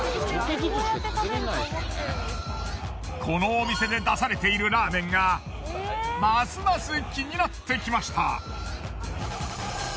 このお店で出されているラーメンがますます気になってきました。